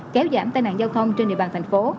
kéo giảm tai nạn giao thông trên địa bàn thành phố